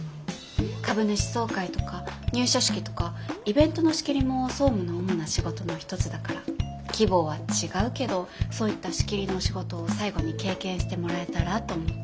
株主総会とか入社式とかイベントの仕切りも総務の主な仕事の一つだから規模は違うけどそういった仕切りの仕事を最後に経験してもらえたらと思って。